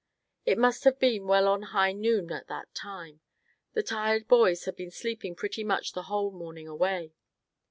It must have been well on to high noon at the time. The tired boys had been sleeping pretty much the whole morning away.